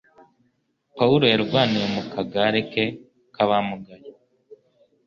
Pawulo yarwaniye mu kagare ke k'abamugaye